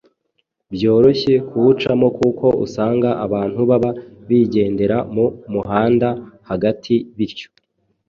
byoroshye kuwucamo kuko usanga abantu baba bigendera mu muhanda hagati bityo